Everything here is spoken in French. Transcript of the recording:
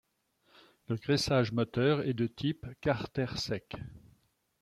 Le graissage moteur est de type carter sec.